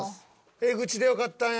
エグチでよかったんや。